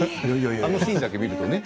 あのシーンだけ見るとね。